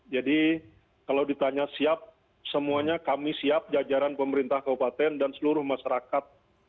jadi kalau ditanya siap semuanya kami siap jajaran pemerintah kabupaten dan seluruh masyarakat